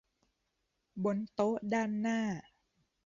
บนโต๊ะด้านหน้า